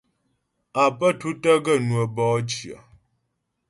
Á pə́ tútə́ gaə́ ŋwə́ bɔ'ɔ cyə.